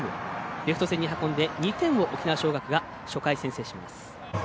レフト線に運んで２点を沖縄尚学が初回に先制します。